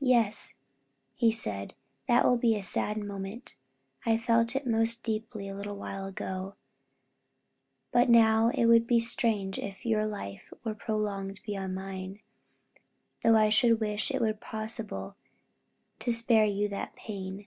"Yes," he said, "that will be a sad moment; I felt it most deeply a little while ago, but now it would not be strange if your life were prolonged beyond mine though I should wish if it were possible to spare you that pain.